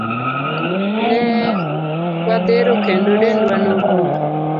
Ne wadhero kendo dendwa norumo.